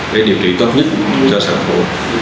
để điều trị tốt nhất cho sản phụ